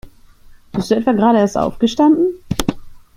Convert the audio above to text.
Bist du etwa gerade erst aufgestanden?